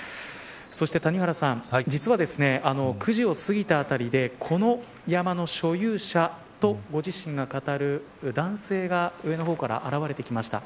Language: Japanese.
そして谷原さん、実は９時を過ぎたあたりで、この山の所有者とご自身が語る男性が上の方から現れてきました。